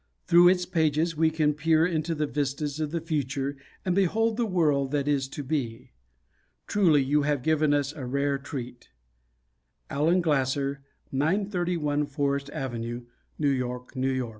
Through its pages we can peer into the vistas of the future and behold the world that is to be. Truly, you have given us a rare treat Allen Glasser, 931 Forest Ave., New York, N. Y.